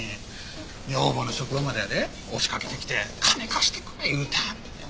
女房の職場までやで押しかけてきて金貸してくれ言うてはんねん。